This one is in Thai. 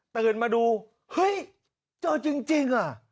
ตื่นมาดูเฮ้ยเจอจริงอ่ะ